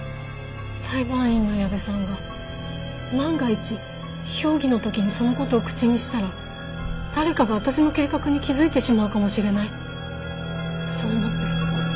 裁判員の矢部さんが万が一評議の時にその事を口にしたら誰かが私の計画に気づいてしまうかもしれないそう思って。